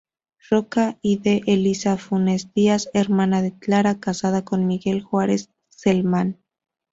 Roca y de Elisa Funes Díaz, hermana de Clara, casada con Miguel Juárez Celman.